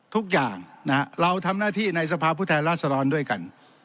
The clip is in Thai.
ทุกอย่างเราทำหน้าที่ในสภาพผู้แทนราษฎรด้วยกัน